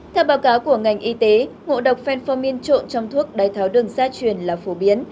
theo báo cáo của ngành y tế ngộ độc fenphonin trộn trong thuốc đái tháo đường gia truyền là phổ biến